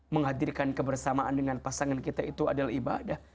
menghadirkan kebersamaan dengan pasangan kita itu adalah ibadah